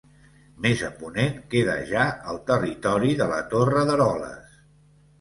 Més a ponent queda ja el territori de la Torre d'Eroles.